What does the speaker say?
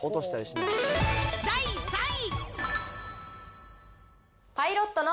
第３位。